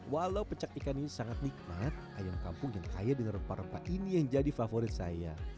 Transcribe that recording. walau pecak ikan ini sangat nikmat ayam kampung yang kaya dengan rempah rempah ini yang jadi favorit saya